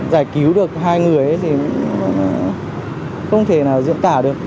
giải cứu được hai người thì không thể là diễn tả được